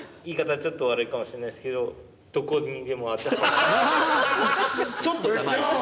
ちょっと悪いかもしれないですけど「ちょっと」じゃないよ。